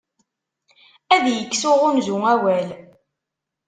Ad yekkes uɣunzu awal.